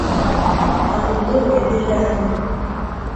ka udo wee dịrị anyị.